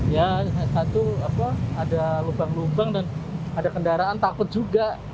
ya satu ada lubang lubang dan ada kendaraan takut juga